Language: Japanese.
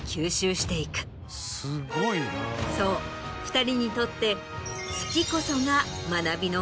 そう２人にとって。